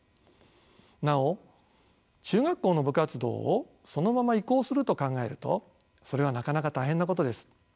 なお中学校の部活動をそのまま移行すると考えるとそれはなかなか大変なことです。